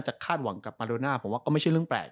จะคาดหวังกับมาโลน่าก็ไม่ใช่เรื่องแปลก